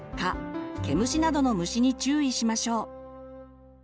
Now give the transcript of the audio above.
毛虫などの虫に注意しましょう。